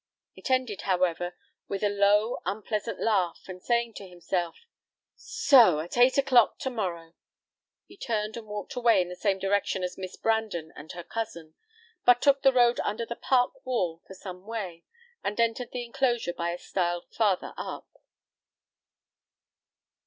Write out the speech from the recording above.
It ended, however, with a low, unpleasant laugh, and saying to himself, "So, so! at eight o'clock to morrow," he turned and walked away in the same direction as Miss Brandon and her cousin, but took the road under the park wall for some way, and entered the enclosure by a stile farther up.